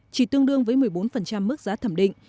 chỉ tương đương với một mươi bốn mức giá thẩm định